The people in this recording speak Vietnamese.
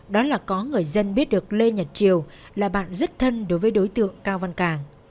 đó là có người dân biết được lê nhật triều là bạn rất thân đối với đối tượng cao văn càng